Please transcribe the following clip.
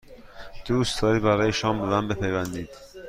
دوست دارید برای شام به من بپیوندید؟